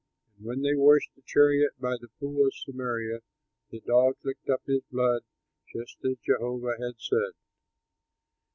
And when they washed the chariot by the pool of Samaria, the dogs licked up his blood just as Jehovah had said.